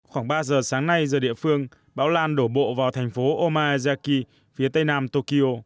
khoảng ba giờ sáng nay giờ địa phương bão lan đổ bộ vào thành phố omaizaki phía tây nam tokyo